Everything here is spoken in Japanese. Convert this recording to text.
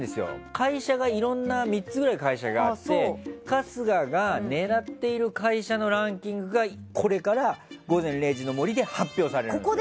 会社いろいろな３つぐらいあって春日が狙っている会社のランキングがこれから「午前０時の森」で発表されるんですよ。